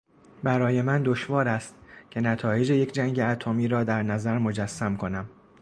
برای من دشوار است که نتایج یک جنگ اتمی را در نظر مجسم کنم.